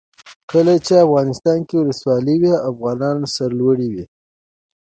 کله چې افغانستان کې ولسواکي وي افغانان سرلوړي وي.